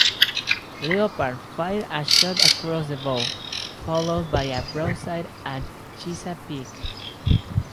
"Leopard" fired a shot across the bow, followed by a broadside, at "Chesapeake".